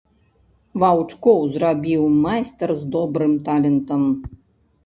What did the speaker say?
Ваўчкоў зрабіў майстар з добрым талентам.